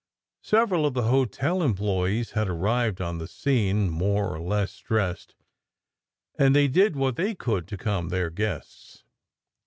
Several of the hotel employes had arrived on the scene, more or less dressed, and they did what they could to calm their guests.